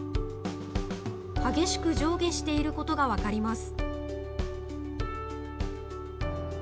激しく上下していることが分かります。